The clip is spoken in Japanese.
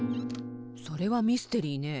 それはミステリーね。